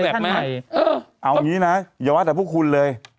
เอาอย่างนี้นะอย่าว่าแต่พวกคุณเลย